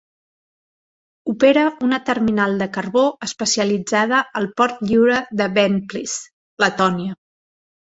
Opera una terminal de carbó especialitzada al port lliure de Ventspils, Letònia.